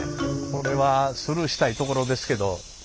これはスルーしたいところですけど。